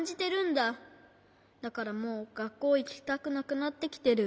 だからもうがっこういきたくなくなってきてる。